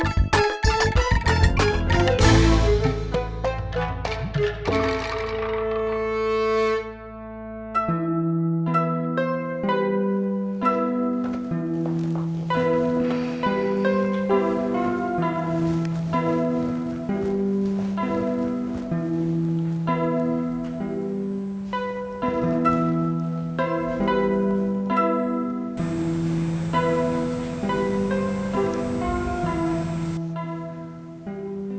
saya melukisnya ini sebagai catatan bagian danau